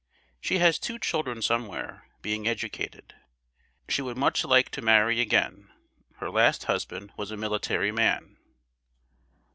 She has two children somewhere, being educated. She would much like to marry again. Her last husband was a military man.